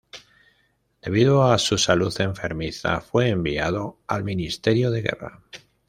Debido a su salud enfermiza, fue enviado al Ministerio de Guerra.